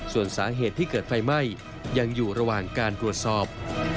ส่วนสาเหตุที่เกิดไฟไหม้ยังอยู่ระหว่างการตรวจสอบ